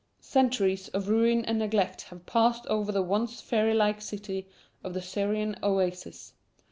Centuries of ruin and neglect have passed over the once fairy like city of the Syrian oasis.